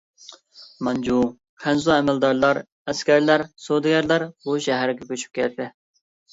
مانجۇ، خەنزۇ ئەمەلدارلار، ئەسكەرلەر، سودىگەرلەر بۇ شەھەرگە كۆچۈپ كىردى.